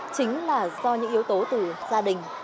chính là do những yếu tố từ gia đình